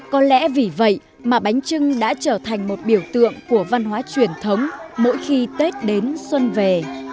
có lẽ vì vậy mà bánh trưng đã trở thành một biểu tượng của văn hóa truyền thống mỗi khi tết đến xuân về